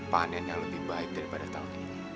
panen yang lebih baik daripada tahun ini